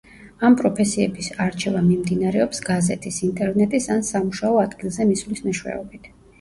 ამ პროფესიების არჩევა მიმდინარეობს გაზეთის, ინტერნეტის ან სამუშაო ადგილზე მისვლის მეშვეობით.